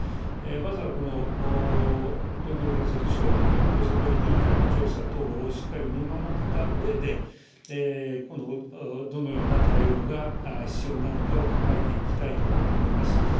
まずはこの東京検察庁、公正取引委員会の調査等をしっかり見守ったうえで、どのような対応が必要なのかを考えていきたいと思います。